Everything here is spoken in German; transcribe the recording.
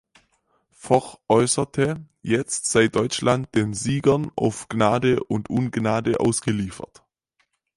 Foch äußerte, jetzt sei Deutschland „den Siegern auf Gnade und Ungnade ausgeliefert“.